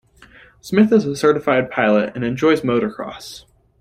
Smith is a certified pilot, and enjoys motorcross.